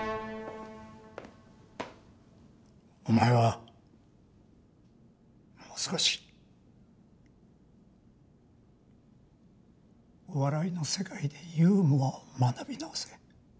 お前はもう少しお笑いの世界でユーモアを学び直せ。